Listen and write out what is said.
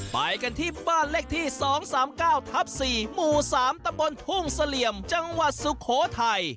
ไปกันที่บ้านเลขที่๒๓๙ทับ๔หมู่๓ตำบลทุ่งเสลี่ยมจังหวัดสุโขทัย